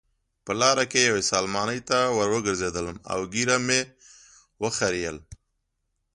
په لاره کې یوې سلمانۍ ته وروګرځېدم او ږیره مې وخریل.